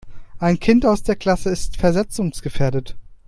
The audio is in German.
Ein Kind aus der Klasse ist versetzungsgefährdet.